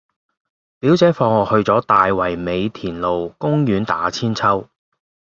表姐放學去左大圍美田路公園打韆鞦